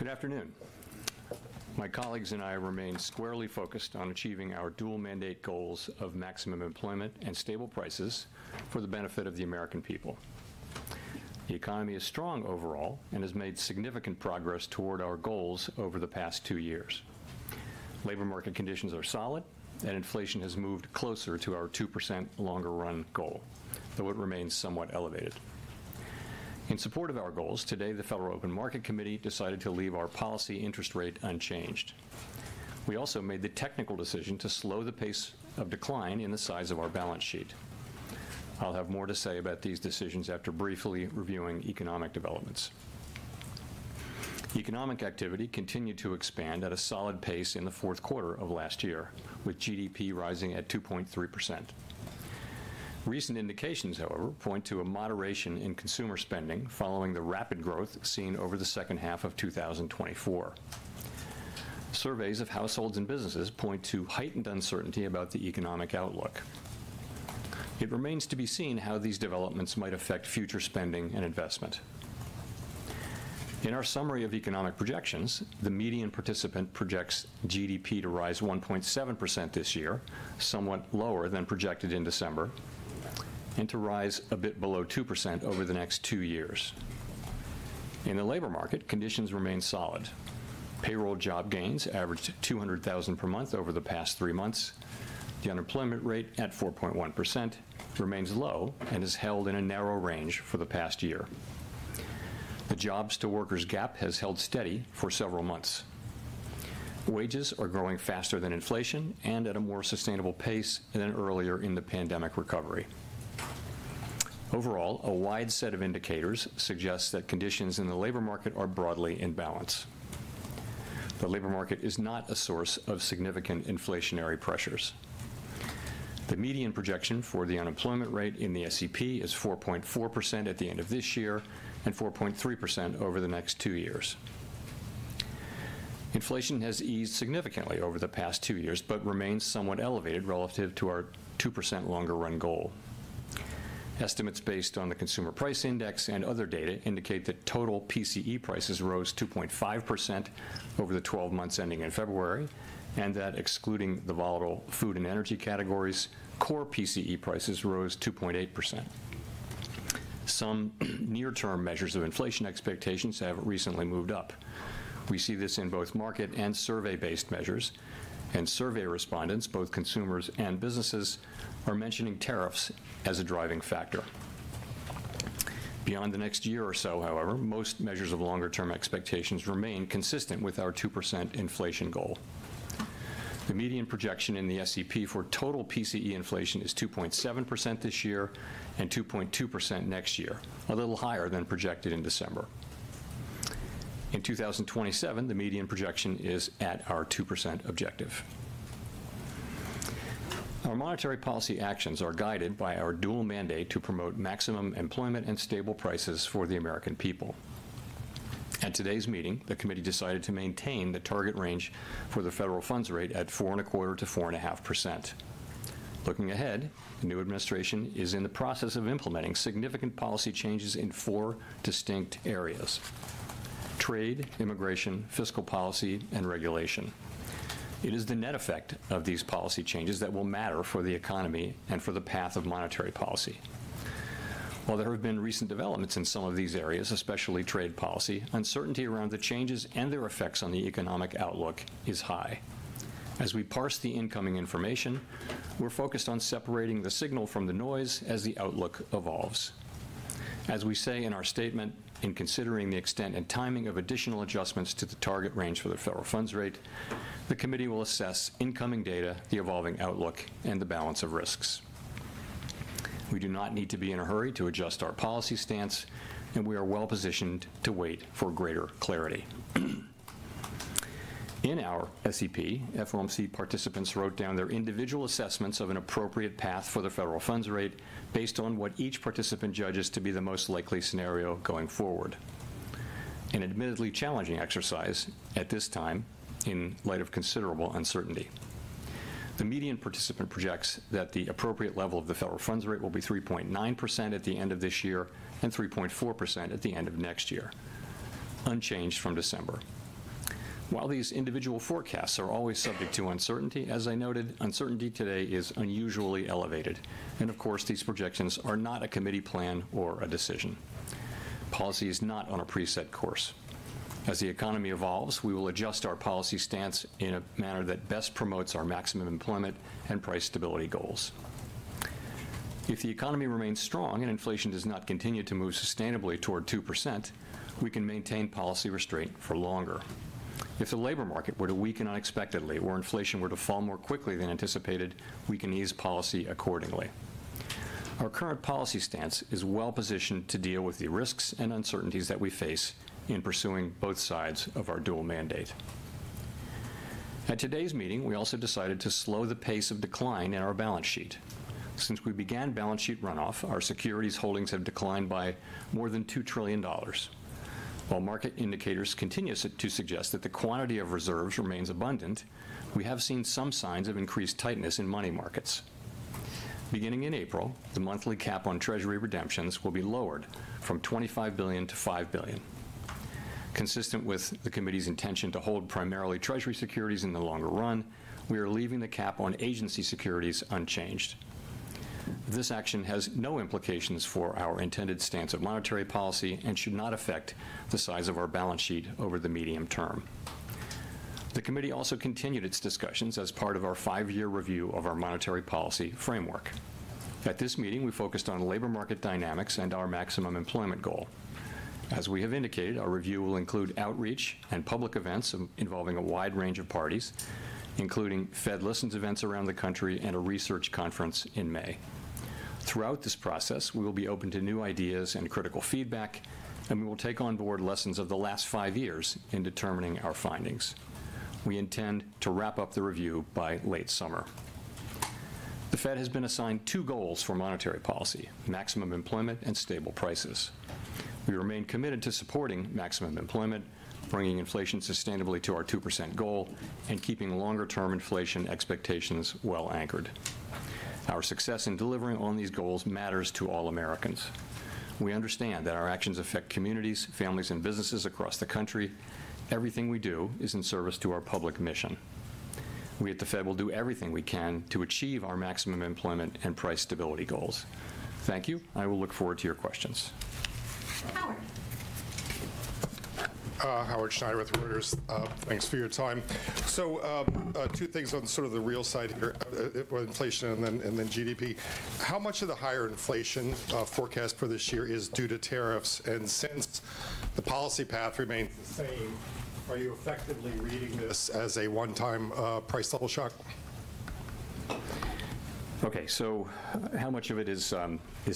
Good afternoon. My colleagues and I remain squarely focused on achieving our dual-mandate goals of maximum employment and stable prices for the benefit of the American people. The economy is strong overall and has made significant progress toward our goals over the past two years. Labor market conditions are solid, and inflation has moved closer to our 2% longer-run goal, though it remains somewhat elevated. In support of our goals, today the Federal Open Market Committee decided to leave our policy interest rate unchanged. We also made the technical decision to slow the pace of decline in the size of our balance sheet. I'll have more to say about these decisions after briefly reviewing economic developments. Economic activity continued to expand at a solid pace in the fourth quarter of last year, with GDP rising at 2.3%. Recent indications, however, point to a moderation in consumer spending following the rapid growth seen over the second half of 2024. Surveys of households and businesses point to heightened uncertainty about the economic outlook. It remains to be seen how these developments might affect future spending and investment. In our summary of economic projections, the median participant projects GDP to rise 1.7% this year, somewhat lower than projected in December, and to rise a bit below 2% over the next two years. In the labor market, conditions remain solid. Payroll job gains averaged 200,000 per month over the past three months. The unemployment rate at 4.1% remains low and has held in a narrow range for the past year. The jobs-to-workers gap has held steady for several months. Wages are growing faster than inflation and at a more sustainable pace than earlier in the pandemic recovery. Overall, a wide set of indicators suggests that conditions in the labor market are broadly in balance. The labor market is not a source of significant inflationary pressures. The median projection for the unemployment rate in the SEP is 4.4% at the end of this year and 4.3% over the next two years. Inflation has eased significantly over the past two years but remains somewhat elevated relative to our 2% longer-run goal. Estimates based on the Consumer Price Index and other data indicate that total PCE prices rose 2.5% over the 12 months ending in February, and that, excluding the volatile food and energy categories, core PCE prices rose 2.8%. Some near-term measures of inflation expectations have recently moved up. We see this in both market and survey-based measures, and survey respondents, both consumers and businesses, are mentioning tariffs as a driving factor. Beyond the next year or so, however, most measures of longer-term expectations remain consistent with our 2% inflation goal. The median projection in the SEP for total PCE inflation is 2.7% this year and 2.2% next year, a little higher than projected in December. In 2027, the median projection is at our 2% objective. Our monetary policy actions are guided by our dual mandate to promote maximum employment and stable prices for the American people. At today's meeting, the Committee decided to maintain the target range for the federal funds rate at 4.25-4.5%. Looking ahead, the new administration is in the process of implementing significant policy changes in four distinct areas: trade, immigration, fiscal policy, and regulation. It is the net effect of these policy changes that will matter for the economy and for the path of monetary policy. While there have been recent developments in some of these areas, especially trade policy, uncertainty around the changes and their effects on the economic outlook is high. As we parse the incoming information, we're focused on separating the signal from the noise as the outlook evolves. As we say in our statement, in considering the extent and timing of additional adjustments to the target range for the federal funds rate, the Committee will assess incoming data, the evolving outlook, and the balance of risks. We do not need to be in a hurry to adjust our policy stance, and we are well-positioned to wait for greater clarity. In our SEP, FOMC participants wrote down their individual assessments of an appropriate path for the federal funds rate based on what each participant judges to be the most likely scenario going forward. An admittedly challenging exercise at this time, in light of considerable uncertainty. The median participant projects that the appropriate level of the federal funds rate will be 3.9% at the end of this year and 3.4% at the end of next year, unchanged from December. While these individual forecasts are always subject to uncertainty, as I noted, uncertainty today is unusually elevated. These projections are not a Committee plan or a decision. Policy is not on a preset course. As the economy evolves, we will adjust our policy stance in a manner that best promotes our maximum employment and price stability goals. If the economy remains strong and inflation does not continue to move sustainably toward 2%, we can maintain policy restraint for longer. If the labor market were to weaken unexpectedly or inflation were to fall more quickly than anticipated, we can ease policy accordingly. Our current policy stance is well-positioned to deal with the risks and uncertainties that we face in pursuing both sides of our dual mandate. At today's meeting, we also decided to slow the pace of decline in our balance sheet. Since we began balance sheet runoff, our securities holdings have declined by more than 2 trillion dollars. While market indicators continue to suggest that the quantity of reserves remains abundant, we have seen some signs of increased tightness in money markets. Beginning in April, the monthly cap on Treasury redemptions will be lowered from 25 billion to 5 billion. Consistent with the Committee's intention to hold primarily Treasury securities in the longer run, we are leaving the cap on agency securities unchanged. This action has no implications for our intended stance of monetary policy and should not affect the size of our balance sheet over the medium term. The Committee also continued its discussions as part of our five-year review of our monetary policy framework. At this meeting, we focused on labor market dynamics and our maximum employment goal. As we have indicated, our review will include outreach and public events involving a wide range of parties, including Fed Listens events around the country and a research conference in May. Throughout this process, we will be open to new ideas and critical feedback, and we will take on Board lessons of the last five years in determining our findings. We intend to wrap up the review by late summer. The Fed has been assigned two goals for monetary policy: maximum employment and stable prices. We remain committed to supporting maximum employment, bringing inflation sustainably to our 2% goal, and keeping longer-term inflation expectations well anchored. Our success in delivering on these goals matters to all Americans. We understand that our actions affect communities, families, and businesses across the country. Everything we do is in service to our public mission. We, at the Fed, will do everything we can to achieve our maximum employment and price stability goals. Thank you. I will look forward to your questions. Howard. Howard Schneider with Reuters. Thanks for your time. Two things on sort of the real side here: inflation and then GDP. How much of the higher inflation forecast for this year is due to tariffs? Since the policy path remains the same, are you effectively reading this as a one-time price level shock? Okay. How much of it is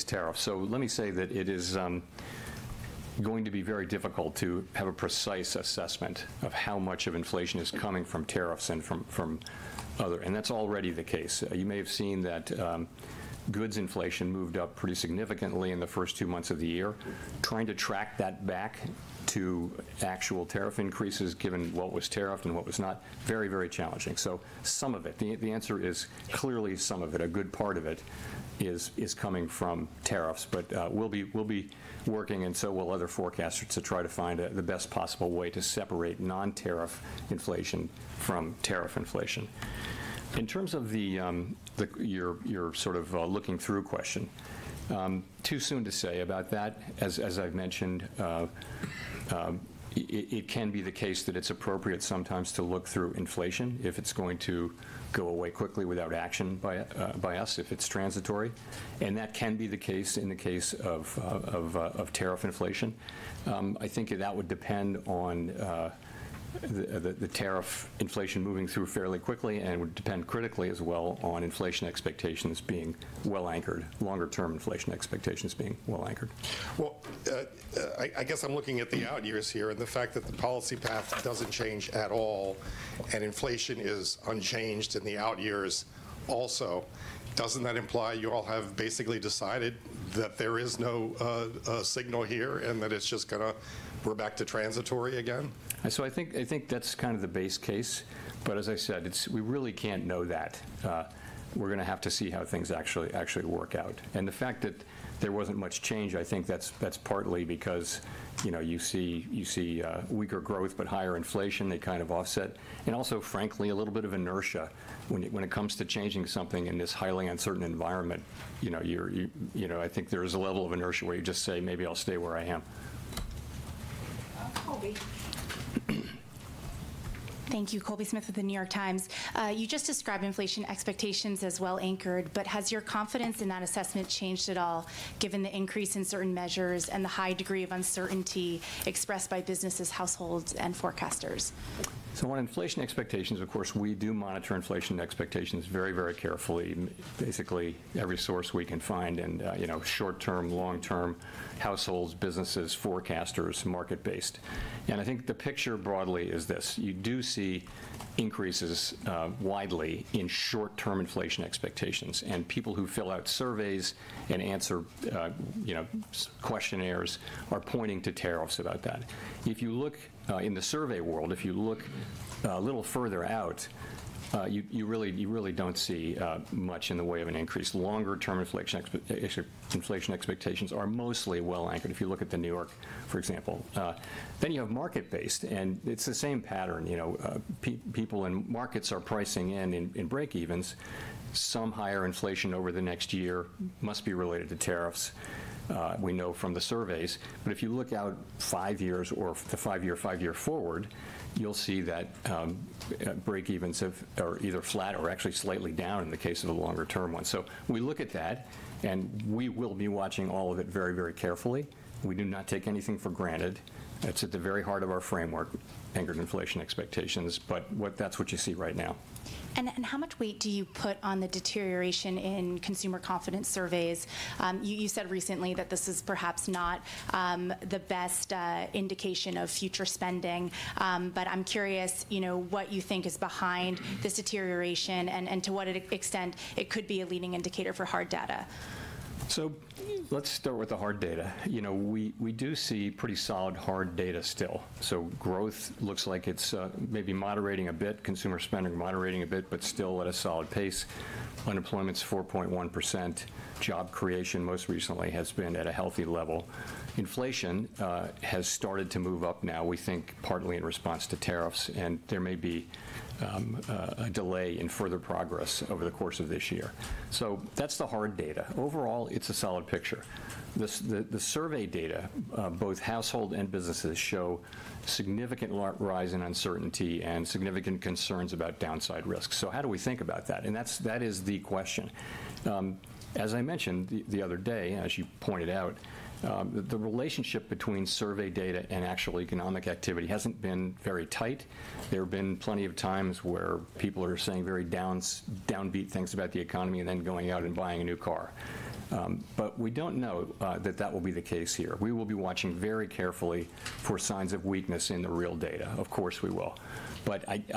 tariffs? Let me say that it is going to be very difficult to have a precise assessment of how much of inflation is coming from tariffs and from other sources, and that is already the case. You may have seen that goods inflation moved up pretty significantly in the first two months of the year. Trying to track that back to actual tariff increases, given what was tariffed and what was not, is very, very challenging. Some of it. The answer is clearly some of it. A good part of it is coming from tariffs. We will be working, and so will other forecasters, to try to find the best possible way to separate non-tariff inflation from tariff inflation. In terms of your sort of looking-through question, it is too soon to say about that. As I've mentioned, it can be the case that it's appropriate sometimes to look through inflation if it's going to go away quickly without action by us, if it's transitory. That can be the case in the case of tariff inflation. I think that would depend on the tariff inflation moving through fairly quickly and would depend critically as well on inflation expectations being well anchored, longer-term inflation expectations being well anchored. I guess I'm looking at the out years here and the fact that the policy path doesn't change at all and inflation is unchanged in the out years also. Doesn't that imply you all have basically decided that there is no signal here and that it's just going to—we're back to transitory again? I think that's kind of the base case. As I said, we really can't know that. We're going to have to see how things actually work out. The fact that there wasn't much change, I think that's partly because you see weaker growth but higher inflation. They kind of offset. Also, frankly, a little bit of inertia when it comes to changing something in this highly uncertain environment. You know, I think there is a level of inertia where you just say, "Maybe I'll stay where I am." Colby. Thank you. Colby Smith of The New York Times. You just described inflation expectations as well-anchored. Has your confidence in that assessment changed at all, given the increase in certain measures and the high degree of uncertainty expressed by businesses, households, and forecasters? On inflation expectations, of course, we do monitor inflation expectations very, very carefully, basically every source we can find, and short-term, long-term, households, businesses, forecasters, market-based. I think the picture broadly is this: You do see increases widely in short-term inflation expectations. People who fill out surveys and answer questionnaires are pointing to tariffs about that. If you look in the survey world, if you look a little further out, you really do not see much in the way of an increase. Longer-term inflation expectations are mostly well-anchored, if you look at the New York, for example. You have market-based, and it is the same pattern. People and markets are pricing in, in break-evens, some higher inflation over the next year must be related to tariffs, we know from the surveys. If you look out five years or the five-year, five-year forward, you'll see that break-evens are either flat or actually slightly down in the case of the longer-term ones. We look at that, and we will be watching all of it very, very carefully. We do not take anything for granted. It's at the very heart of our framework, anchored inflation expectations. That's what you see right now. How much weight do you put on the deterioration in consumer confidence surveys? You said recently that this is perhaps not the best indication of future spending. I am curious what you think is behind this deterioration and to what extent it could be a leading indicator for hard data. Let's start with the hard data. You know, we do see pretty solid hard data still. Growth looks like it's maybe moderating a bit, consumer spending moderating a bit, but still at a solid pace. Unemployment's 4.1%. Job creation most recently has been at a healthy level. Inflation has started to move up now, we think, partly in response to tariffs. There may be a delay in further progress over the course of this year. That's the hard data. Overall, it's a solid picture. The survey data, both household and businesses, show significant rise in uncertainty and significant concerns about downside risks. How do we think about that? That is the question. As I mentioned the other day, as you pointed out, the relationship between survey data and actual economic activity hasn't been very tight. There have been plenty of times where people are saying very downbeat things about the economy and then going out and buying a new car. We do not know that that will be the case here. We will be watching very carefully for signs of weakness in the real data. Of course, we will.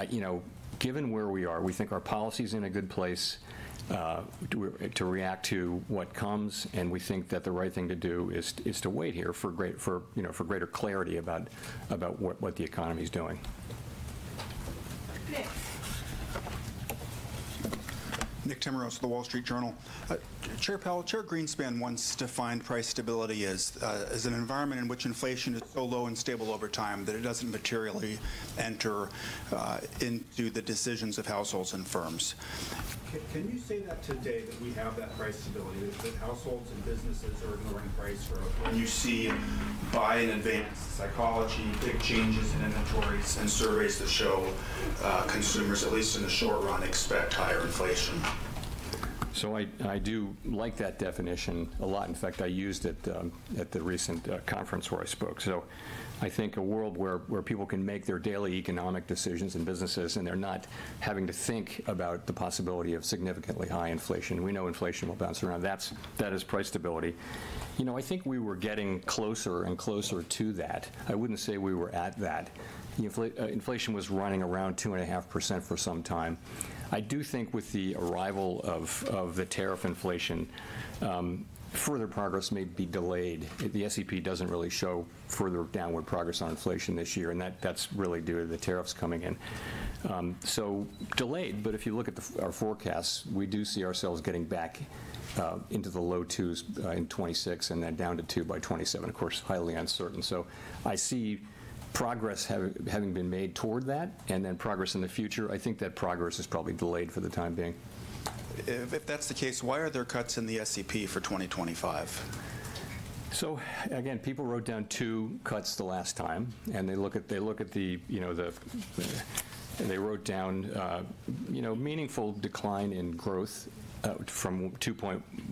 You know, given where we are, we think our policy is in a good place to react to what comes. We think that the right thing to do is to wait here for greater clarity about what the economy is doing. Nick. Nick Timiraos of The Wall Street Journal. Chair Powell, Chair Greenspan once defined price stability as an environment in which inflation is so low and stable over time that it doesn't materially enter into the decisions of households and firms. Can you say that today, that we have that price stability, that households and businesses are ignoring price growth, and you see buy-in advance, psychology, big changes in inventories and surveys that show consumers, at least in the short run, expect higher inflation? I do like that definition a lot. In fact, I used it at the recent conference where I spoke. I think a world where people can make their daily economic decisions and businesses and they're not having to think about the possibility of significantly high inflation—we know inflation will bounce around—that is price stability. You know, I think we were getting closer and closer to that. I wouldn't say we were at that. Inflation was running around 2.5% for some time. I do think with the arrival of the tariff inflation, further progress may be delayed. The SEP doesn't really show further downward progress on inflation this year. That is really due to the tariffs coming in. Delayed. If you look at our forecasts, we do see ourselves getting back into the low twos in 2026 and then down to two by 2027. Of course, highly uncertain. I see progress having been made toward that and then progress in the future. I think that progress is probably delayed for the time being. If that's the case, why are there cuts in the SEP for 2025? Again, people wrote down two cuts the last time. They look at the—they wrote down, you know, meaningful decline in growth from 2.1 to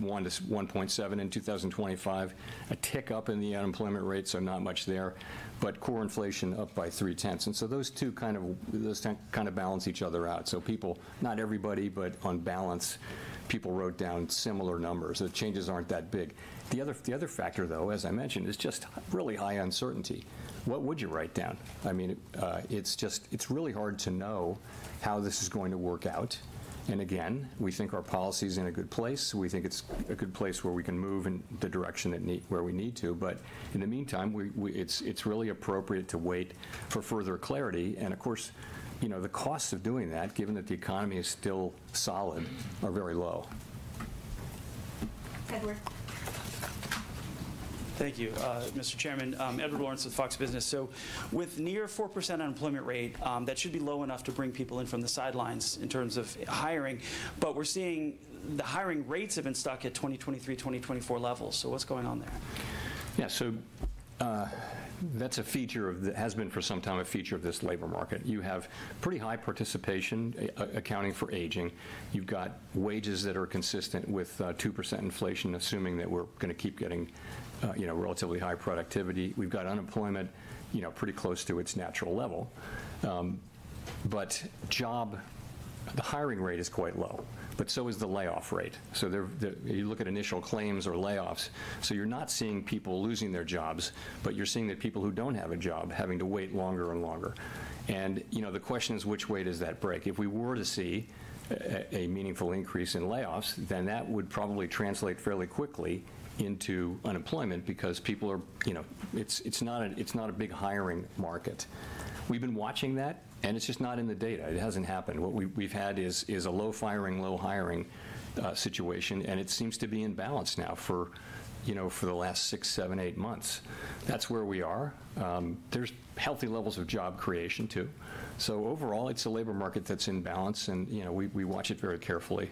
1.7 in 2025, a tick up in the unemployment rate, so not much there, but core inflation up by 3/10. Those two kind of balance each other out. People—not everybody, but on balance—people wrote down similar numbers. The changes are not that big. The other factor, though, as I mentioned, is just really high uncertainty. What would you write down? I mean, it is really hard to know how this is going to work out. We think our policy is in a good place. We think it is a good place where we can move in the direction where we need to. In the meantime, it is really appropriate to wait for further clarity. Of course, you know, the costs of doing that, given that the economy is still solid, are very low. Edward. Thank you, Mr. Chairman. Edward Lawrence with Fox Business. With near 4% unemployment rate, that should be low enough to bring people in from the sidelines in terms of hiring. We are seeing the hiring rates have been stuck at 2023, 2024 levels. What is going on there? Yeah. That is a feature of—that has been for some time a feature of this labor market. You have pretty high participation accounting for aging. You have wages that are consistent with 2% inflation, assuming that we are going to keep getting relatively high productivity. We have unemployment pretty close to its natural level. Job—the hiring rate is quite low, but so is the layoff rate. You look at initial claims or layoffs. You are not seeing people losing their jobs, but you are seeing the people who do not have a job having to wait longer and longer. You know, the question is, which way does that break? If we were to see a meaningful increase in layoffs, that would probably translate fairly quickly into unemployment because people are—it is not a big hiring market. We have been watching that, and it is just not in the data. It hasn't happened. What we've had is a low firing, low hiring situation. It seems to be in balance now for the last six, seven, eight months. That's where we are. There's healthy levels of job creation, too. Overall, it's a labor market that's in balance. We watch it very carefully.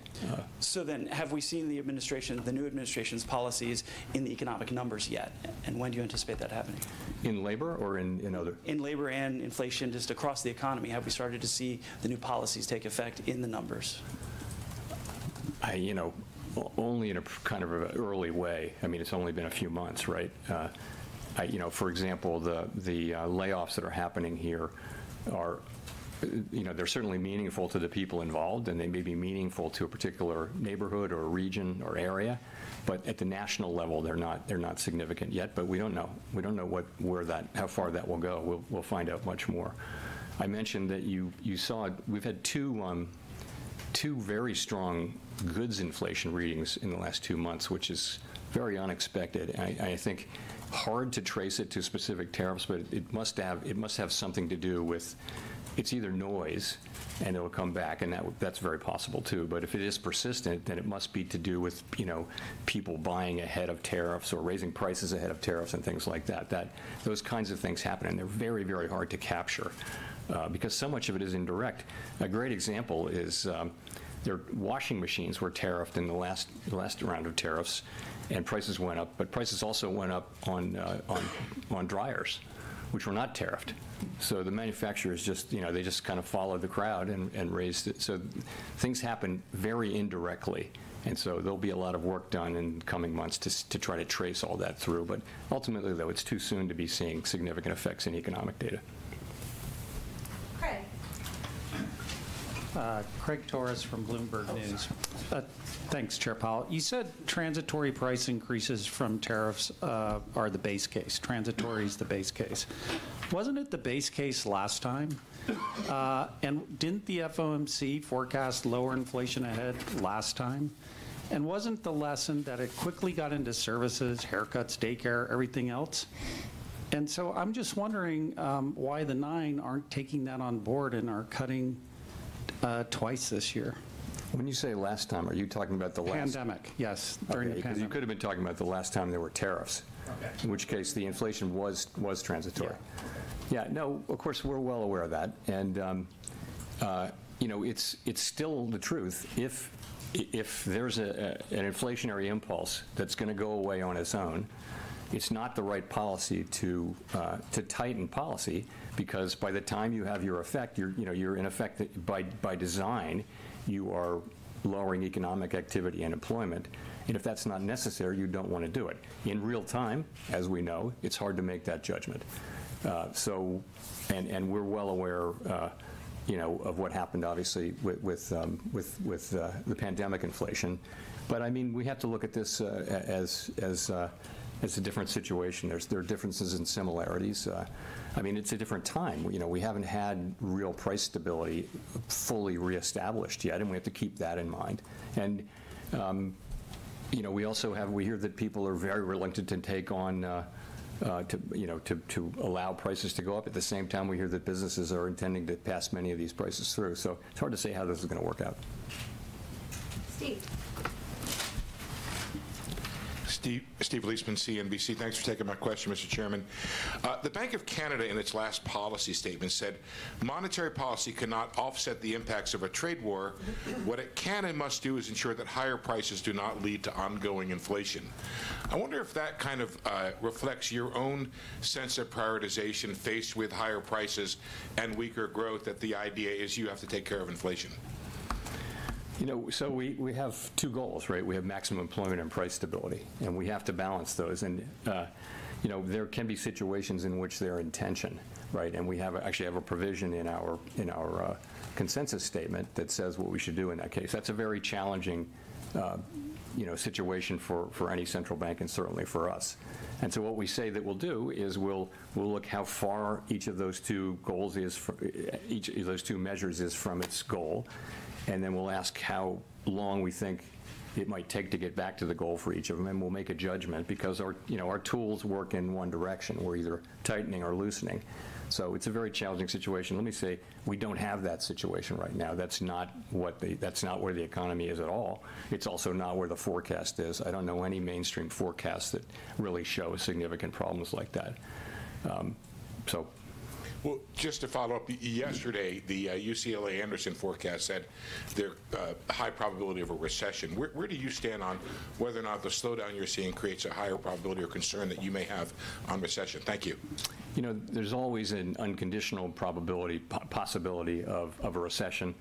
Have we seen the administration, the new administration's policies in the economic numbers yet? When do you anticipate that happening? In labor or in other? In labor and inflation just across the economy? Have we started to see the new policies take effect in the numbers? You know, only in a kind of an early way. I mean, it's only been a few months, right? You know, for example, the layoffs that are happening here are certainly meaningful to the people involved, and they may be meaningful to a particular neighborhood or region or area. At the national level, they're not significant yet. We don't know. We don't know where that—how far that will go. We'll find out much more. I mentioned that you saw—we've had two very strong goods inflation readings in the last two months, which is very unexpected. I think hard to trace it to specific tariffs, but it must have something to do with—it's either noise and it'll come back. That's very possible, too. If it is persistent, then it must be to do with people buying ahead of tariffs or raising prices ahead of tariffs and things like that. Those kinds of things happen, and they are very, very hard to capture because so much of it is indirect. A great example is there were washing machines tariffed in the last round of tariffs, and prices went up. Prices also went up on dryers, which were not tariffed. The manufacturers just kind of followed the crowd and raised it. Things happen very indirectly. There will be a lot of work done in coming months to try to trace all that through. Ultimately, though, it is too soon to be seeing significant effects in economic data. Craig. Craig Torres from Bloomberg News.Thanks, Chair Powell. You said transitory price increases from tariffs are the base case. Transitory's the base case. Wasn't it the base case last time? Didn't the FOMC forecast lower inflation ahead last time? Wasn't the lesson that it quickly got into services, haircuts, daycare, everything else? I'm just wondering why the nine aren't taking that on board and are cutting twice this year. When you say last time, are you talking about the last? Pandemic. Yes. Pandemic? Because you could have been talking about the last time there were tariffs, in which case the inflation was transitory. Yeah. Yeah. No, of course, we're well aware of that. You know, it's still the truth. If there's an inflationary impulse that's going to go away on its own, it's not the right policy to tighten policy because by the time you have your effect, you're in effect that by design, you are lowering economic activity and employment. If that's not necessary, you don't want to do it. In real time, as we know, it's hard to make that judgment. We're well aware of what happened, obviously, with the pandemic inflation. I mean, we have to look at this as a different situation. There are differences and similarities. I mean, it's a different time. You know, we haven't had real price stability fully reestablished yet, and we have to keep that in mind. You know, we also have--we hear that people are very reluctant to take on--to allow prices to go up. At the same time, we hear that businesses are intending to pass many of these prices through. It is hard to say how this is going to work out. Steve. Thanks for taking my question, Mr. Chairman. The Bank of Canada, in its last policy statement, said, "Monetary policy cannot offset the impacts of a trade war. What it can and must do is ensure that higher prices do not lead to ongoing inflation." I wonder if that kind of reflects your own sense of prioritization faced with higher prices and weaker growth that the idea is you have to take care of inflation. You know, we have two goals, right? We have maximum employment and price stability. We have to balance those. You know, there can be situations in which they're in tension, right? We actually have a provision in our consensus statement that says what we should do in that case. That's a very challenging situation for any central bank and certainly for us. What we say that we'll do is we'll look how far each of those two goals is—each of those two measures is from its goal. Then we'll ask how long we think it might take to get back to the goal for each of them. We'll make a judgment because our tools work in one direction. We're either tightening or loosening. It's a very challenging situation. Let me say, we don't have that situation right now. That's not where the economy is at all. It's also not where the forecast is. I don't know any mainstream forecasts that really show significant problems like that. Just to follow up, yesterday, the UCLA Anderson Forecast said there's a high probability of a recession. Where do you stand on whether or not the slowdown you're seeing creates a higher probability or concern that you may have on recession? Thank you. You know, there's always an unconditional possibility of a recession.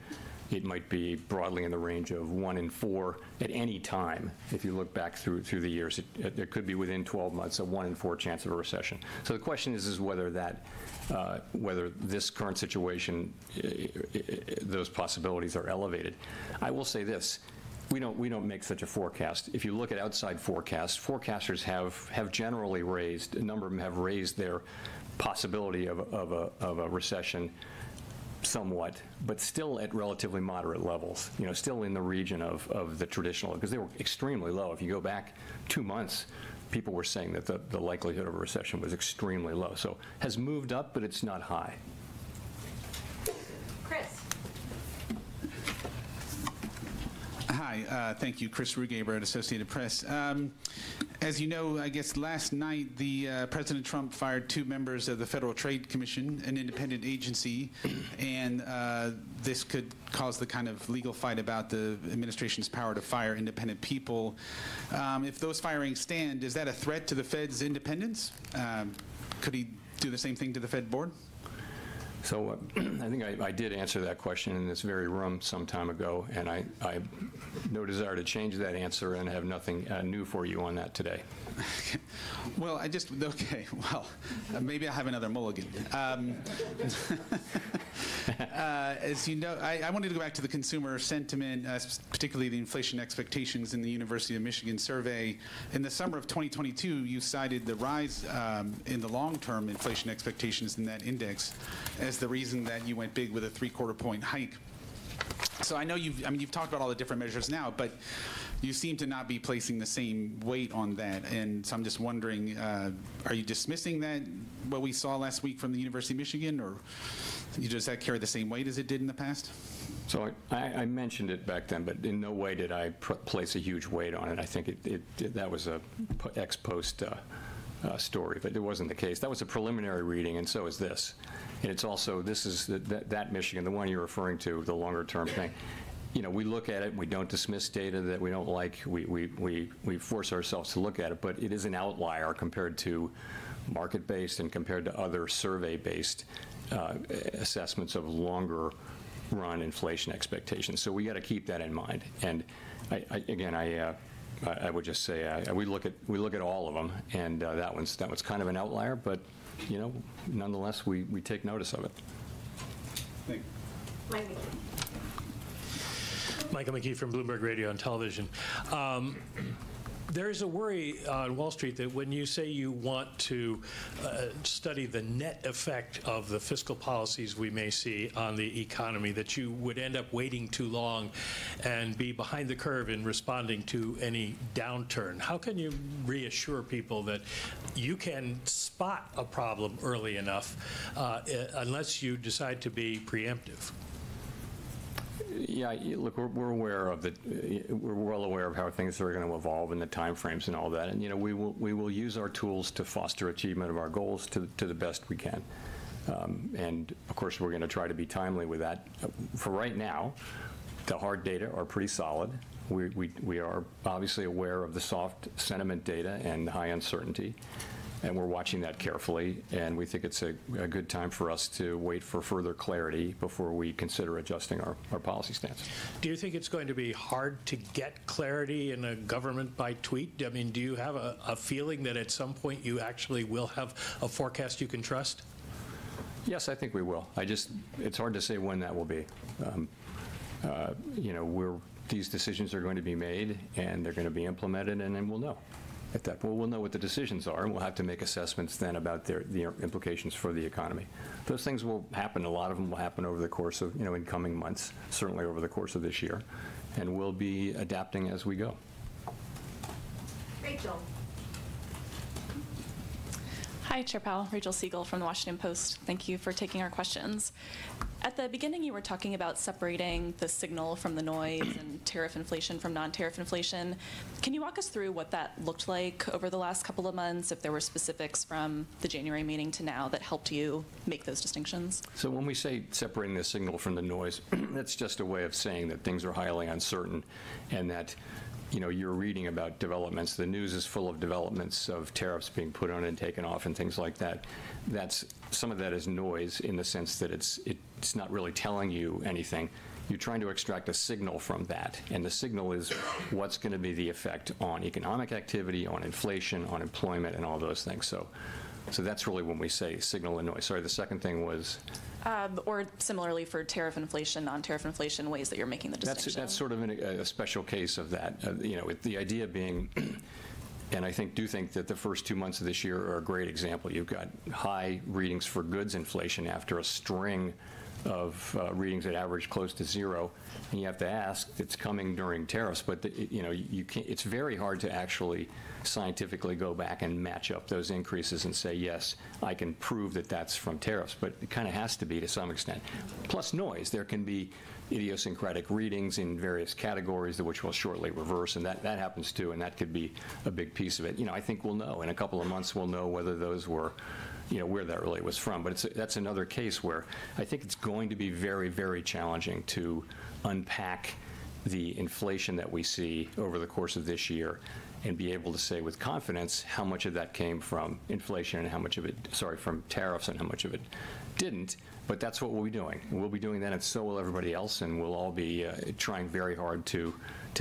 It might be broadly in the range of one in four at any time. If you look back through the years, it could be within 12 months a one in four chance of a recession. The question is whether that—whether this current situation, those possibilities are elevated. I will say this: we don't make such a forecast. If you look at outside forecasts, forecasters have generally raised—a number of them have raised their possibility of a recession somewhat, but still at relatively moderate levels, you know, still in the region of the traditional, because they were extremely low. If you go back two months, people were saying that the likelihood of a recession was extremely low. It has moved up, but it's not high. Chris. Hi. Thank you. Chris Rugaber, Associated Press. As you know, I guess last night, President Trump fired two members of the Federal Trade Commission, an independent agency. This could cause the kind of legal fight about the administration's power to fire independent people. If those firings stand, is that a threat to the Fed's independence? Could he do the same thing to the Fed board? I think I did answer that question in this very room some time ago. I have no desire to change that answer and have nothing new for you on that today. I just—okay. Maybe I have another mulligan. As you know, I wanted to go back to the consumer sentiment, particularly the inflation expectations in the University of Michigan survey. In the summer of 2022, you cited the rise in the long-term inflation expectations in that index as the reason that you went big with a three-quarter point hike. I know you've—I mean, you've talked about all the different measures now, but you seem to not be placing the same weight on that. I'm just wondering, are you dismissing that, what we saw last week from the University of Michigan, or does that carry the same weight as it did in the past? I mentioned it back then, but in no way did I place a huge weight on it. I think that was an ex post story, but it wasn't the case. That was a preliminary reading, and this is. It is also this is that Michigan, the one you're referring to, the longer-term thing. You know, we look at it. We don't dismiss data that we don't like. We force ourselves to look at it. It is an outlier compared to market-based and compared to other survey-based assessments of longer-run inflation expectations. We have to keep that in mind. Again, I would just say we look at all of them. That one is kind of an outlier. You know, nonetheless, we take notice of it. Thank you. Mike McKee. Michael McKee from Bloomberg Radio and Television. There is a worry on Wall Street that when you say you want to study the net effect of the fiscal policies we may see on the economy, that you would end up waiting too long and be behind the curve in responding to any downturn. How can you reassure people that you can spot a problem early enough unless you decide to be preemptive? Yeah. Look, we're aware of it. We're well aware of how things are going to evolve and the time frames and all that. You know, we will use our tools to foster achievement of our goals to the best we can. Of course, we're going to try to be timely with that. For right now, the hard data are pretty solid. We are obviously aware of the soft sentiment data and the high uncertainty. We're watching that carefully. We think it's a good time for us to wait for further clarity before we consider adjusting our policy stance. Do you think it's going to be hard to get clarity in a government by tweet? I mean, do you have a feeling that at some point you actually will have a forecast you can trust? Yes, I think we will. I just--it's hard to say when that will be. You know, these decisions are going to be made, and they're going to be implemented. Then we'll know at that point. We'll know what the decisions are. We'll have to make assessments then about the implications for the economy. Those things will happen. A lot of them will happen over the course of, you know, in coming months, certainly over the course of this year. We'll be adapting as we go. Rachel. Hi, Chair Powell. Rachel Siegel from The Washington Post. Thank you for taking our questions. At the beginning, you were talking about separating the signal from the noise and tariff inflation from non-tariff inflation. Can you walk us through what that looked like over the last couple of months, if there were specifics from the January meeting to now that helped you make those distinctions? When we say separating the signal from the noise, that's just a way of saying that things are highly uncertain and that, you know, you're reading about developments. The news is full of developments of tariffs being put on and taken off and things like that. Some of that is noise in the sense that it's not really telling you anything. You're trying to extract a signal from that. The signal is what's going to be the effect on economic activity, on inflation, on employment, and all those things. That's really when we say signal and noise. Sorry, the second thing was. Or similarly for tariff inflation, non-tariff inflation, ways that you're making the distinctions. That's sort of a special case of that. You know, with the idea being, and I think, do think that the first two months of this year are a great example. You've got high readings for goods inflation after a string of readings that average close to zero. You have to ask, that's coming during tariffs. You know, it's very hard to actually scientifically go back and match up those increases and say, yes, I can prove that that's from tariffs. It kind of has to be to some extent. Plus noise. There can be idiosyncratic readings in various categories which will shortly reverse. That happens, too. That could be a big piece of it. You know, I think we'll know. In a couple of months, we'll know whether those were, you know, where that really was from. That is another case where I think it is going to be very, very challenging to unpack the inflation that we see over the course of this year and be able to say with confidence how much of that came from tariffs and how much of it did not. That is what we will be doing. We will be doing that, and so will everybody else. We will all be trying very hard to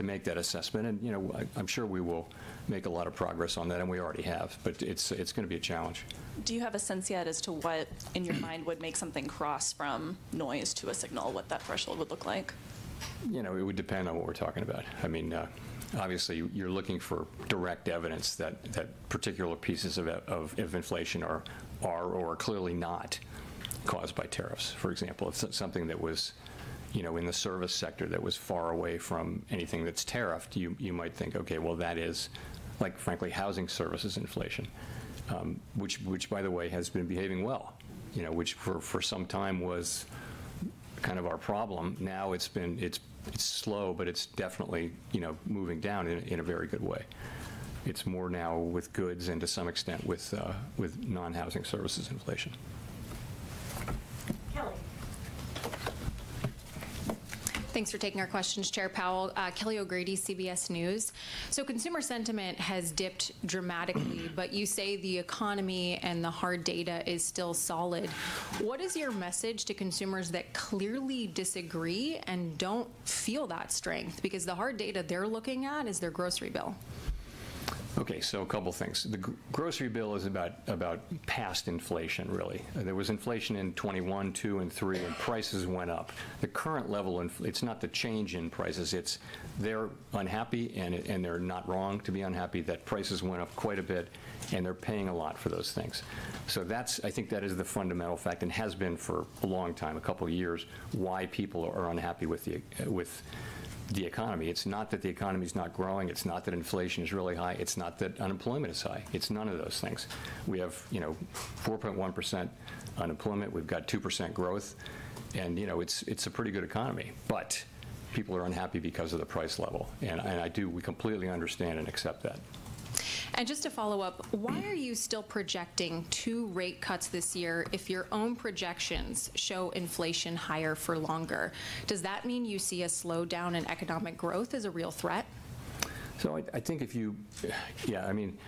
make that assessment. You know, I am sure we will make a lot of progress on that, and we already have. It is going to be a challenge. Do you have a sense yet as to what, in your mind, would make something cross from noise to a signal, what that threshold would look like? You know, it would depend on what we're talking about. I mean, obviously, you're looking for direct evidence that particular pieces of inflation are or are clearly not caused by tariffs. For example, if something that was, you know, in the service sector that was far away from anything that's tariffed, you might think, okay, that is, like, frankly, housing services inflation, which, by the way, has been behaving well, you know, which for some time was kind of our problem. Now it's been, it's slow, but it's definitely, you know, moving down in a very good way. It's more now with goods and, to some extent, with non-housing services inflation. Kelly. Thanks for taking our questions, Chair Powell. Kelly O'Grady, CBS News. Consumer sentiment has dipped dramatically, but you say the economy and the hard data is still solid. What is your message to consumers that clearly disagree and do not feel that strength? Because the hard data they are looking at is their grocery bill. Okay. A couple of things. The grocery bill is about past inflation, really. There was inflation in 2021, 2022, and 2023, and prices went up. The current level, it's not the change in prices. It's they're unhappy, and they're not wrong to be unhappy that prices went up quite a bit, and they're paying a lot for those things. That is the fundamental fact and has been for a long time, a couple of years, why people are unhappy with the economy. It's not that the economy is not growing. It's not that inflation is really high. It's not that unemployment is high. It's none of those things. We have, you know, 4.1% unemployment. We've got 2% growth. You know, it's a pretty good economy. People are unhappy because of the price level. I do, we completely understand and accept that. Just to follow up, why are you still projecting two rate cuts this year if your own projections show inflation higher for longer? Does that mean you see a slowdown in economic growth as a real threat? I think if you—yeah. I mean,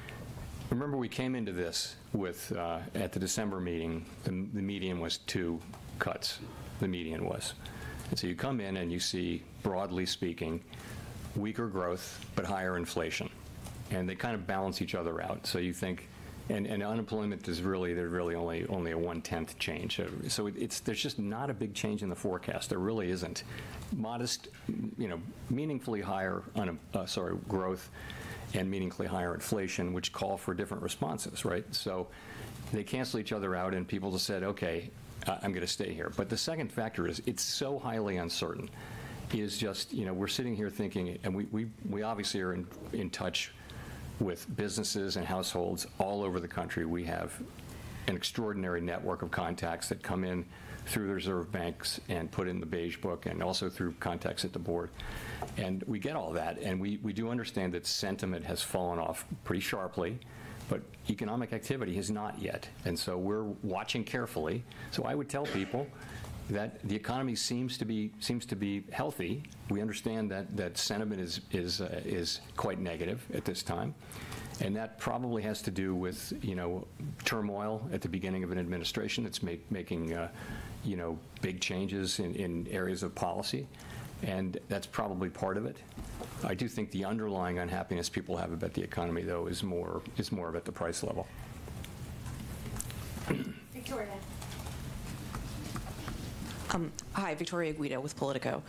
remember, we came into this with—at the December meeting, the median was two cuts. The median was. You come in, and you see, broadly speaking, weaker growth but higher inflation. They kind of balance each other out. You think—and unemployment is really—there's really only a one-tenth change. There's just not a big change in the forecast. There really isn't. Modest, you know, meaningfully higher—I'm sorry—growth and meaningfully higher inflation, which call for different responses, right? They cancel each other out, and people just said, okay, I'm going to stay here. The second factor is it's so highly uncertain is just, you know, we're sitting here thinking—and we obviously are in touch with businesses and households all over the country. We have an extraordinary network of contacts that come in through the Reserve Banks and put in the Beige Book and also through contacts at the board. We get all that. We do understand that sentiment has fallen off pretty sharply. Economic activity has not yet. We are watching carefully. I would tell people that the economy seems to be—seems to be healthy. We understand that sentiment is quite negative at this time. That probably has to do with, you know, turmoil at the beginning of an administration that is making, you know, big changes in areas of policy. That is probably part of it. I do think the underlying unhappiness people have about the economy, though, is more—is more about the price level. Victoria. Hi, Victoria Guida with POLITICO.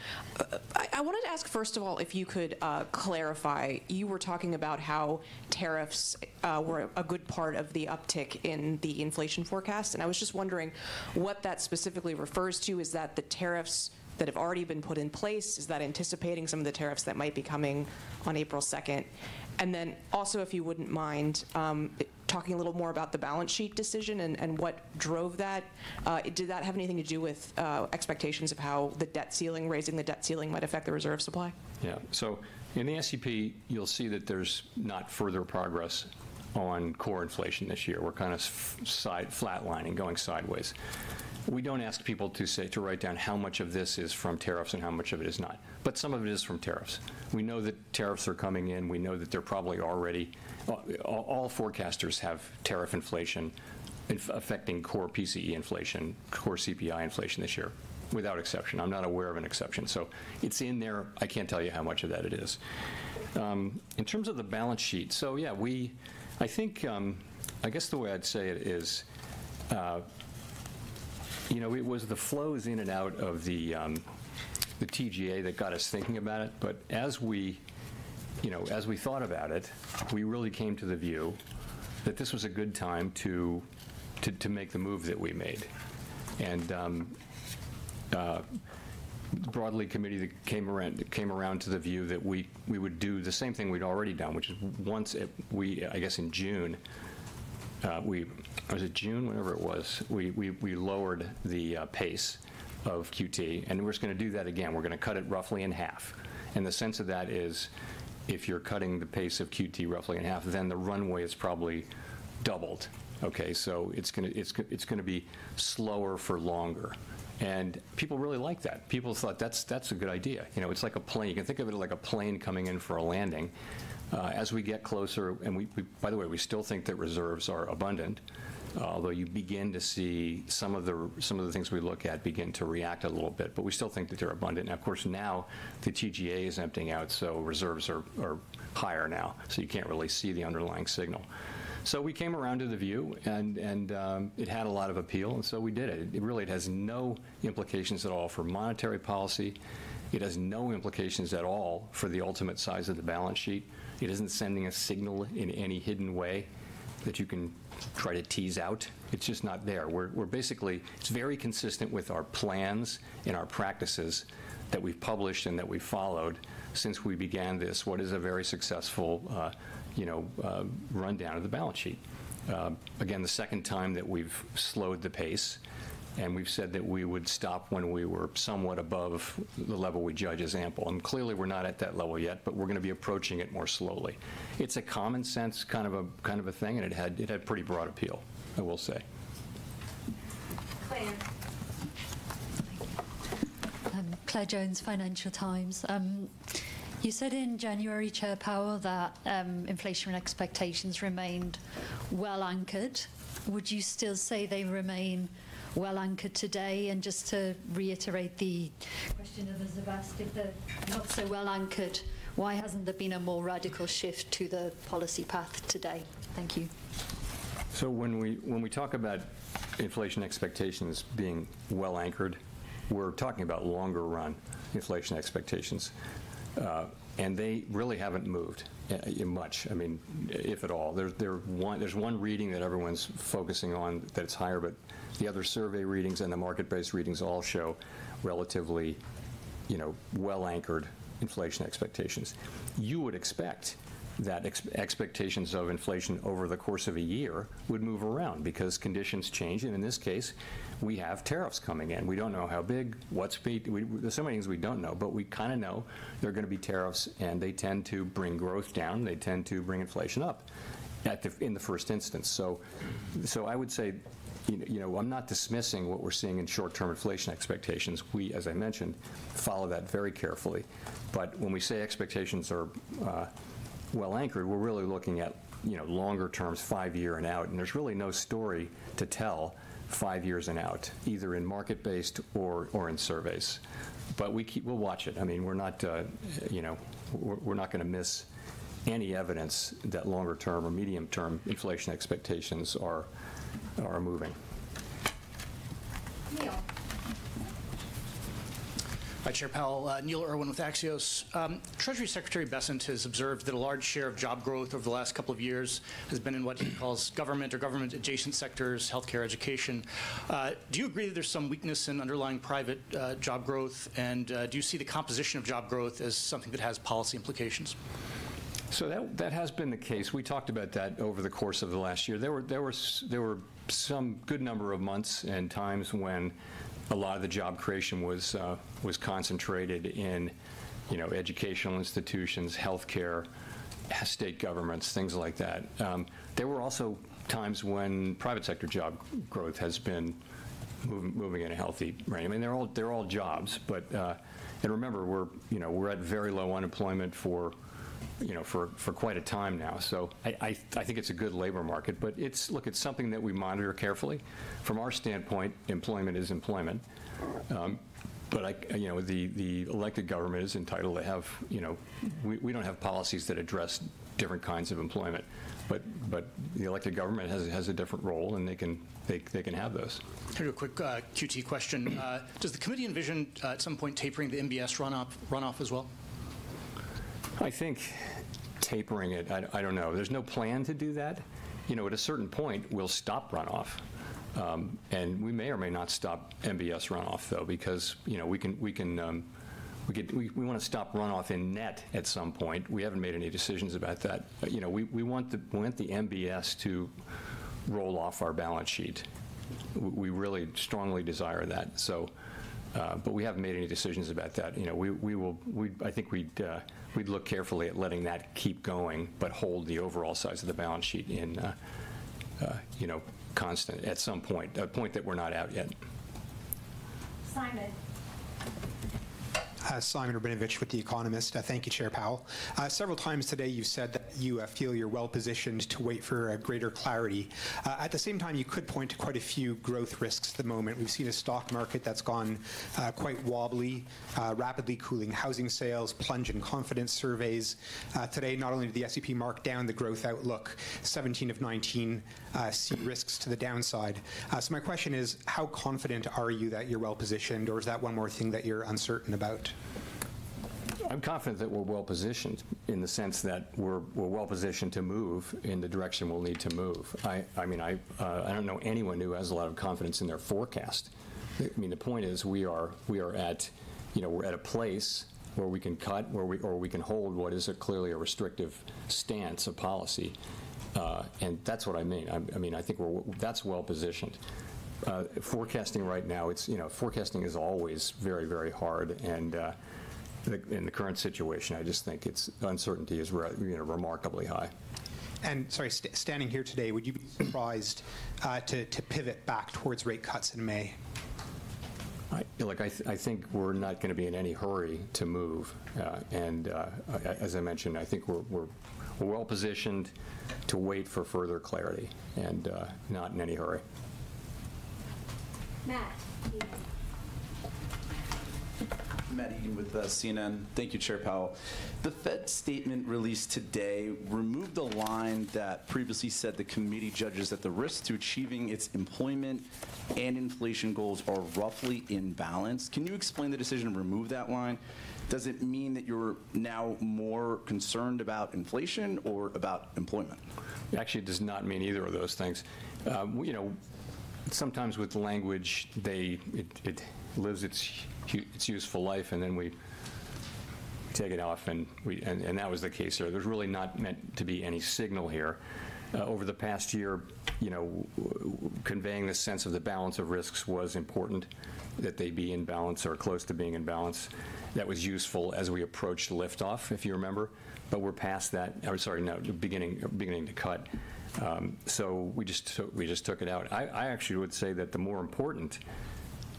I wanted to ask, first of all, if you could clarify. You were talking about how tariffs were a good part of the uptick in the inflation forecast. I was just wondering what that specifically refers to. Is that the tariffs that have already been put in place? Is that anticipating some of the tariffs that might be coming on April 2? If you would not mind, talking a little more about the balance sheet decision and what drove that. Did that have anything to do with expectations of how the debt ceiling—raising the debt ceiling might affect the reserve supply? Yeah. In the SEP, you'll see that there's not further progress on core inflation this year. We're kind of going sideways. We don't ask people to write down how much of this is from tariffs and how much of it is not. Some of it is from tariffs. We know that tariffs are coming in. We know that they're probably already—all forecasters have tariff inflation affecting core PCE inflation, core CPI inflation this year without exception. I'm not aware of an exception. It's in there. I can't tell you how much of that it is. In terms of the balance sheet, I think the way I'd say it is, you know, it was the flows in and out of the TGA that got us thinking about it. As we thought about it, we really came to the view that this was a good time to make the move that we made. Broadly, committee came around to the view that we would do the same thing we'd already done, which is once we—I guess in June, was it June? Whenever it was, we lowered the pace of QT. We're just going to do that again. We're going to cut it roughly in half. The sense of that is, if you're cutting the pace of QT roughly in half, then the runway is probably doubled, okay? It's going to be slower for longer. People really liked that. People thought, that's a good idea. You know, it's like a plane. You can think of it like a plane coming in for a landing. As we get closer—and we, by the way, we still think that reserves are abundant, although you begin to see some of the things we look at begin to react a little bit. We still think that they're abundant. Of course, now the TGA is emptying out, so reserves are higher now. You can't really see the underlying signal. We came around to the view, and it had a lot of appeal. We did it. It really has no implications at all for monetary policy. It has no implications at all for the ultimate size of the balance sheet. It isn't sending a signal in any hidden way that you can try to tease out. It's just not there. We're basically—it's very consistent with our plans and our practices that we've published and that we've followed since we began this, what is a very successful, you know, rundown of the balance sheet. Again, the second time that we've slowed the pace, and we've said that we would stop when we were somewhat above the level we judge as ample. Clearly, we're not at that level yet, but we're going to be approaching it more slowly. It's a common-sense kind of a kind of a thing. It had—it had pretty broad appeal, I will say. Claire. Claire Jones, Financial Times. You said in January, Chair Powell, that inflation expectations remained well anchored. Would you still say they remain well anchored today? To reiterate the question of Elizabeth, if they're not so well anchored, why hasn't there been a more radical shift to the policy path today? Thank you. When we talk about inflation expectations being well anchored, we're talking about longer-run inflation expectations. They really haven't moved much, I mean, if at all. There's one reading that everyone's focusing on that's higher. The other survey readings and the market-based readings all show relatively, you know, well-anchored inflation expectations. You would expect that expectations of inflation over the course of a year would move around because conditions change. In this case, we have tariffs coming in. We don't know how big, what speed. There are so many things we don't know. We kind of know there are going to be tariffs, and they tend to bring growth down. They tend to bring inflation up in the first instance. I would say, you know, I'm not dismissing what we're seeing in short-term inflation expectations. We, as I mentioned, follow that very carefully. When we say expectations are well anchored, we're really looking at, you know, longer terms, five years and out. There's really no story to tell five years and out, either in market-based or in surveys. We'll watch it. I mean, we're not, you know, we're not going to miss any evidence that longer-term or medium-term inflation expectations are moving. Neil. Hi, Chair Powell. Neil Irwin with Axios. Treasury Secretary Bessent has observed that a large share of job growth over the last couple of years has been in what he calls government or government-adjacent sectors: health care, education. Do you agree that there's some weakness in underlying private job growth? Do you see the composition of job growth as something that has policy implications? That has been the case. We talked about that over the course of the last year. There were some good number of months and times when a lot of the job creation was concentrated in, you know, educational institutions, health care, state governments, things like that. There were also times when private sector job growth has been moving in a healthy range. I mean, they're all jobs. And remember, we're, you know, we're at very low unemployment for, you know, for quite a time now. I think it's a good labor market. It's something that we monitor carefully. From our standpoint, employment is employment. But, you know, the elected government is entitled to have, you know, we don't have policies that address different kinds of employment. The elected government has a different role, and they can have those. Kind of a quick QT question. Does the committee envision, at some point, tapering the MBS runoff as well? I think tapering it, I don't know. There's no plan to do that. You know, at a certain point, we'll stop runoff. We may or may not stop MBS runoff, though, because, you know, we can—we can—we want to stop runoff in net at some point. We haven't made any decisions about that. You know, we want the MBS to roll off our balance sheet. We really strongly desire that. We haven't made any decisions about that. You know, we will—I think we'd look carefully at letting that keep going but hold the overall size of the balance sheet in, you know, constant at some point, a point that we're not at yet. Simon. Simon Rabinovitch with The Economist. Thank you, Chair Powell. Several times today, you've said that you feel you're well-positioned to wait for greater clarity. At the same time, you could point to quite a few growth risks at the moment. We've seen a stock market that's gone quite wobbly, rapidly cooling housing sales, plunge in confidence surveys. Today, not only did the SEP mark down the growth outlook, 17 of 19 see risks to the downside. My question is, how confident are you that you're well-positioned? Is that one more thing that you're uncertain about? I'm confident that we're well-positioned in the sense that we're well-positioned to move in the direction we'll need to move. I mean, I don't know anyone who has a lot of confidence in their forecast. I mean, the point is, we are at, you know, we're at a place where we can cut or we can hold what is clearly a restrictive stance of policy. That's what I mean. I mean, I think that's well-positioned. Forecasting right now, it's, you know, forecasting is always very, very hard. In the current situation, I just think it's uncertainty is, you know, remarkably high. Sorry, standing here today, would you be surprised to pivot back towards rate cuts in May? I feel like I think we're not going to be in any hurry to move. As I mentioned, I think we're well-positioned to wait for further clarity and not in any hurry. Matt, you may. Matt Egan with CNN. Thank you, Chair Powell. The Fed statement released today removed a line that previously said the committee judges that the risks to achieving its employment and inflation goals are roughly in balance. Can you explain the decision to remove that line? Does it mean that you're now more concerned about inflation or about employment? Actually, it does not mean either of those things. You know, sometimes with language, it lives its useful life, and then we take it off. That was the case here. There is really not meant to be any signal here. Over the past year, you know, conveying the sense of the balance of risks was important that they be in balance or close to being in balance. That was useful as we approached lift-off, if you remember. We are past that. I am sorry, now beginning to cut. We just took it out. I actually would say that the more important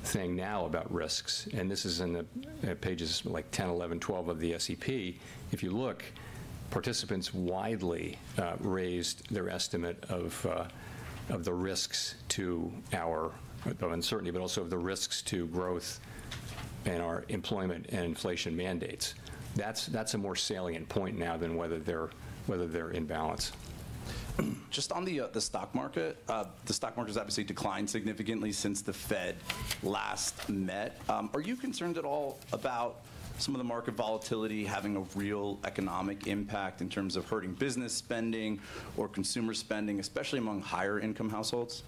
thing now about risks, and this is in the pages like 10, 11, 12 of the SEP, if you look, participants widely raised their estimate of the risks to our uncertainty, but also of the risks to growth and our employment and inflation mandates. That's a more salient point now than whether they're in balance. Just on the stock market, the stock market has obviously declined significantly since the Fed last met. Are you concerned at all about some of the market volatility having a real economic impact in terms of hurting business spending or consumer spending, especially among higher-income households?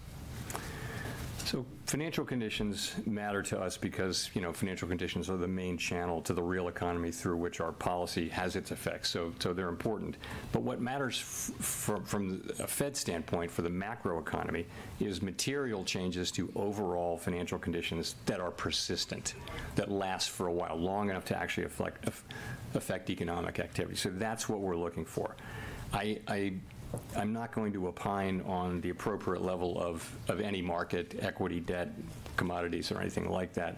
Financial conditions matter to us because, you know, financial conditions are the main channel to the real economy through which our policy has its effects. They are important. What matters from a Fed standpoint for the macroeconomy is material changes to overall financial conditions that are persistent, that last for a while, long enough to actually affect economic activity. That is what we are looking for. I am not going to opine on the appropriate level of any market, equity, debt, commodities, or anything like that.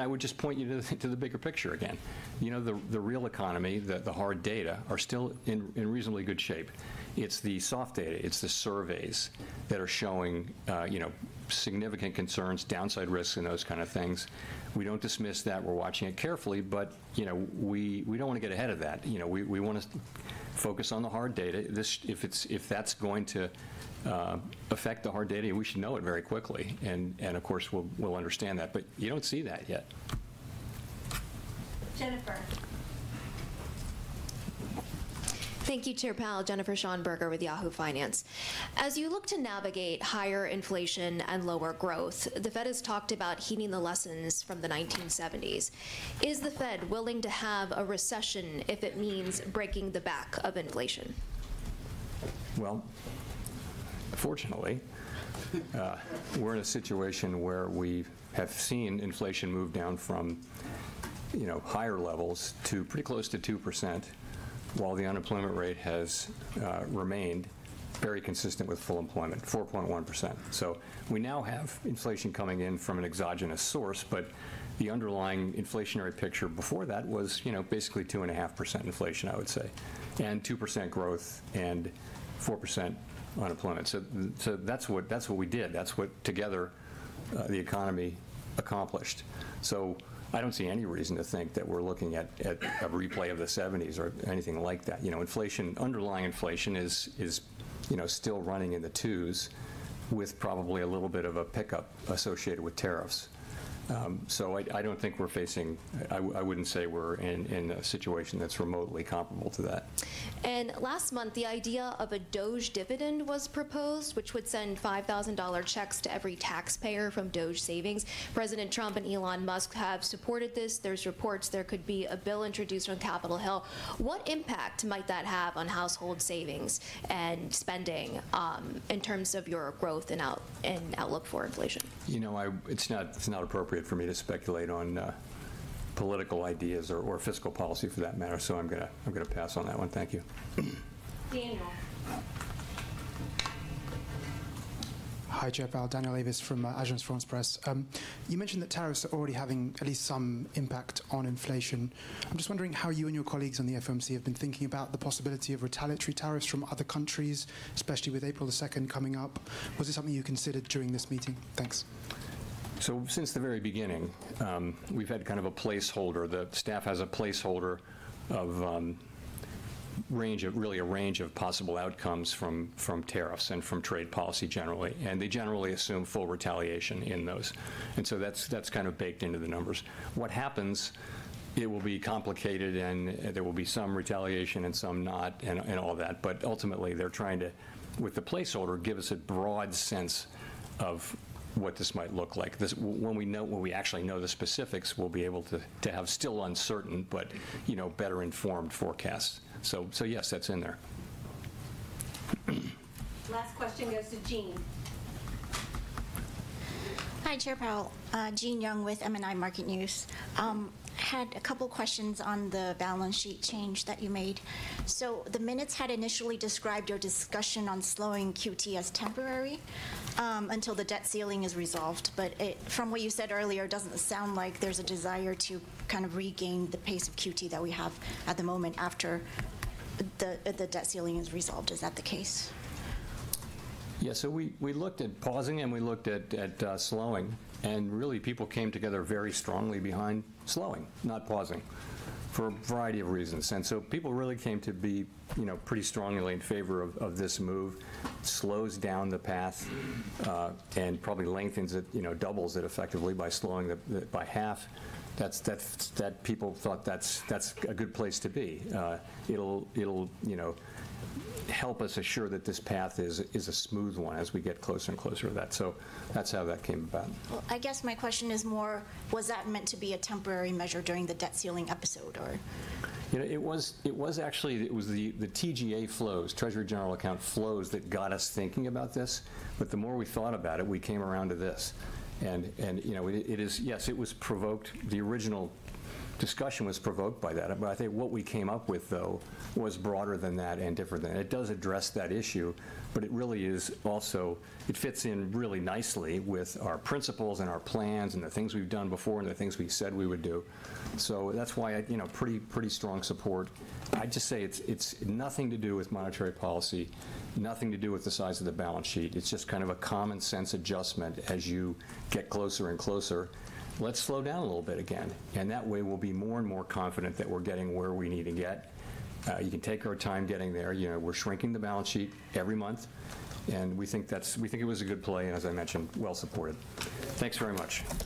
I would just point you to the bigger picture again. You know, the real economy, the hard data are still in reasonably good shape. It is the soft data. It is the surveys that are showing, you know, significant concerns, downside risks, and those kind of things. We do not dismiss that. We are watching it carefully. You know, we do not want to get ahead of that. You know, we want to focus on the hard data. If that is going to affect the hard data, we should know it very quickly. Of course, we will understand that. You do not see that yet. Jennifer. Thank you, Chair Powell. Jennifer Schonberger with Yahoo Finance. As you look to navigate higher inflation and lower growth, the Fed has talked about heeding the lessons from the 1970s. Is the Fed willing to have a recession if it means breaking the back of inflation? Fortunately, we're in a situation where we have seen inflation move down from, you know, higher levels to pretty close to 2%, while the unemployment rate has remained very consistent with full employment, 4.1%. We now have inflation coming in from an exogenous source. The underlying inflationary picture before that was, you know, basically 2.5% inflation, I would say, and 2% growth and 4% unemployment. That is what we did. That is what together the economy accomplished. I do not see any reason to think that we're looking at a replay of the 1970s or anything like that. You know, inflation, underlying inflation is, you know, still running in the 2s with probably a little bit of a pickup associated with tariffs. I do not think we're facing—I would not say we're in a situation that's remotely comparable to that. Last month, the idea of a DOGE dividend was proposed, which would send 5,000 dollar checks to every taxpayer from Doge savings. President Trump and Elon Musk have supported this. There are reports there could be a bill introduced on Capitol Hill. What impact might that have on household savings and spending in terms of your growth and outlook for inflation? You know, it's not appropriate for me to speculate on political ideas or fiscal policy for that matter. I'm going to pass on that one. Thank you. Daniel. Hi, Chair Powell. Daniel Avis from Agence France-Presse. You mentioned that tariffs are already having at least some impact on inflation. I'm just wondering how you and your colleagues on the FOMC have been thinking about the possibility of retaliatory tariffs from other countries, especially with April the 2nd coming up. Was this something you considered during this meeting? Thanks. Since the very beginning, we've had kind of a placeholder. The staff has a placeholder of range, really a range of possible outcomes from tariffs and from trade policy generally. They generally assume full retaliation in those. That is kind of baked into the numbers. What happens, it will be complicated, and there will be some retaliation and some not and all that. Ultimately, they're trying to, with the placeholder, give us a broad sense of what this might look like. When we actually know the specifics, we'll be able to have still uncertain but, you know, better-informed forecasts. Yes, that's in there. Last question goes to Jean. Hi, Chair Powell. Jean Yung with MNI Market News had a couple of questions on the balance sheet change that you made. The minutes had initially described your discussion on slowing QT as temporary until the debt ceiling is resolved. From what you said earlier, it does not sound like there is a desire to kind of regain the pace of QT that we have at the moment after the debt ceiling is resolved. Is that the case? Yes. We looked at pausing, and we looked at slowing. People came together very strongly behind slowing, not pausing, for a variety of reasons. People really came to be, you know, pretty strongly in favor of this move. Slows down the path and probably lengthens it, you know, doubles it effectively by slowing by half. People thought that's a good place to be. It'll, you know, help us assure that this path is a smooth one as we get closer and closer to that. That's how that came about. I guess my question is more, was that meant to be a temporary measure during the debt ceiling episode or? You know, it was actually the TGA flows, Treasury General Account flows that got us thinking about this. The more we thought about it, we came around to this. You know, it is, yes, it was provoked. The original discussion was provoked by that. I think what we came up with, though, was broader than that and different than that. It does address that issue. It really is also it fits in really nicely with our principles and our plans and the things we've done before and the things we said we would do. That's why I, you know, pretty strong support. I'd just say it's nothing to do with monetary policy, nothing to do with the size of the balance sheet. It's just kind of a common-sense adjustment as you get closer and closer. Let's slow down a little bit again. That way, we'll be more and more confident that we're getting where we need to get. You can take our time getting there. You know, we're shrinking the balance sheet every month. We think it was a good play and, as I mentioned, well-supported. Thanks very much.